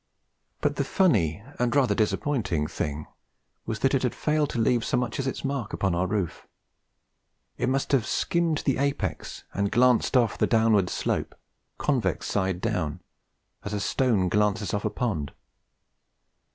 But the funny (and rather disappointing) thing was that it had failed to leave so much as its mark upon our roof. It must have skimmed the apex and glanced off the downward slope convex side down as a stone glances off a pond.